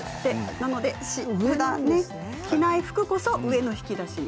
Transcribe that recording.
なので着ない服こそ上の引き出しに。